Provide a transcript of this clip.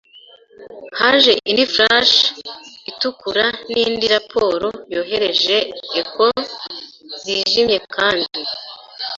haje indi flash itukura nindi raporo yohereje echo zijimye, kandi